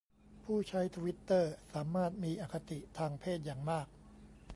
ผู้ใช้ทวิตเตอร์สามารถมีอคติทางเพศอย่างมาก